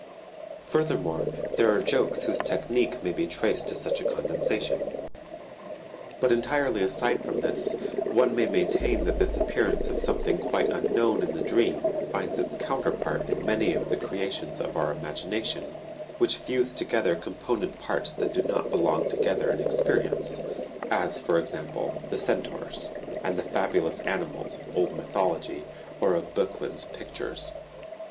Furthermore, there are jokes whose technique may be traced to such a condensation. But entirely aside from this, one may maintain that this appearance of something quite unknown in the dream finds its counterpart in many of the creations of our imagination which fuse together component parts that do not belong together in experience, as for example the centaurs, and the fabulous animals of old mythology or of Boecklin's pictures.